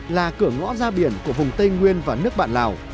là cửa ngõ ra biển của vùng tây nguyên và nước bạn lào